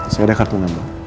saya ada kartu nama